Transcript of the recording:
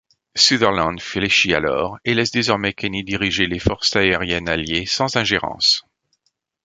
Sutherland fléchit alors et laisse désormais Kenney diriger les forces aériennes alliées sans ingérence.